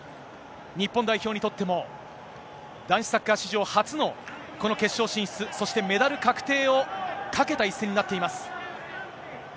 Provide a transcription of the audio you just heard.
日本代表にとっても、男子サッカー史上初のこの決勝進出、そしてメダル確定を懸けた一戦になっています。